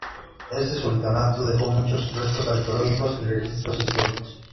Este Sultanato dejó muchos restos arqueológicos y registros históricos.